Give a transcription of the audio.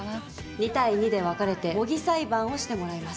２対２で分かれて模擬裁判をしてもらいます。